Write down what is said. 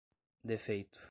defeito